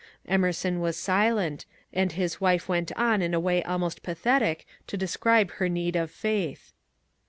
Emerson was silent, and his wife went on in a way almost pathetic to describe her need of faith.